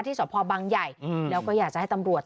สพบังใหญ่แล้วก็อยากจะให้ตำรวจ